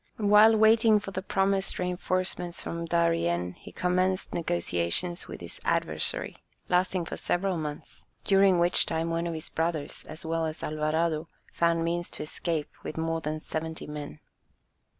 While waiting for the promised reinforcements from Darien, he commenced negotiations with his adversary, lasting for several months, during which time one of his brothers, as well as Alvarado, found means to escape with more than seventy men.